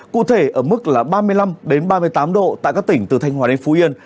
cụ thể ở mức là ba mươi năm ba mươi tám độ tại các tỉnh từ thanh hòa đến phú yên